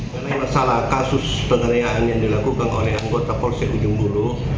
dalam masalah kasus penganiayaan yang dilakukan oleh anggota polisi ujung buluh